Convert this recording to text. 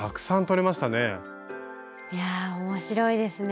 いやあ面白いですね。